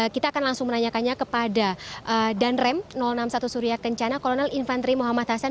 kita akan langsung menanyakannya kepada danrem enam puluh satu surya kencana kolonel infantri muhammad hasan